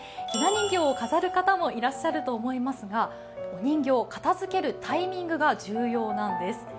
ひな人形を飾る方もいらっしゃると思いますが、お人形、片づけるタイミングが重要なんです。